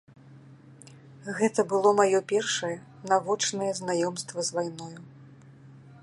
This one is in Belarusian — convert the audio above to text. Гэта было маё першае навочнае знаёмства з вайною.